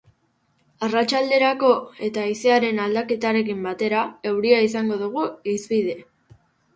Arratsalderako, eta haizearen aldaketarekin batera, euria izango dugu hizpide.